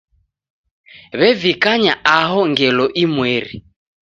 W'evikanya aho ngelo imweri.